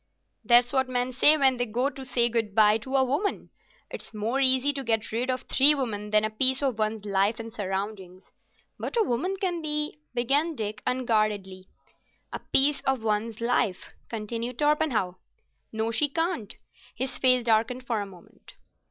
"That's what men say when they go to say good bye to a woman. It's more easy though to get rid of three women than a piece of one's life and surroundings." "But a woman can be——" began Dick, unguardedly. "A piece of one's life," continued Torpenhow. "No, she can't. His face darkened for a moment.